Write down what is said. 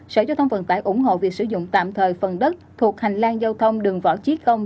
sở giao thông vận tải ủng hộ việc sử dụng tạm thời phần đất thuộc hành lang giao thông đường võ chí công